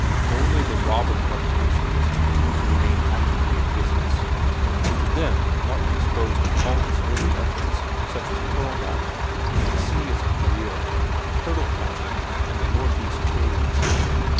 Only the robber publications seemed to remain actively in business, and to them Martin disposed of all his early efforts, such as "Pearl diving," "The Sea as a Career," "Turtle catching," and "The Northeast Trades."